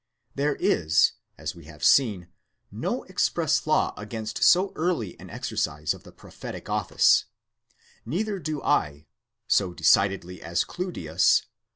There is, as we have seen, no express law against so early an exercise of the prophetic office ; neither do I, so decidedly as. Cludius